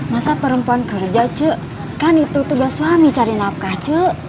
masa perempuan kerja cuk kan itu tugas suami cari nafkah cuk